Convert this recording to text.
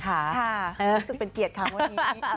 รู้สึกเป็นเกียรติค่ะวันนี้